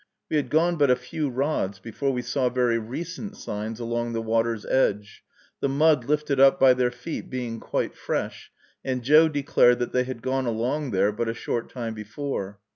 We had gone but a few rods before we saw very recent signs along the water's edge, the mud lifted up by their feet being quite fresh, and Joe declared that they had gone along there but a short time before.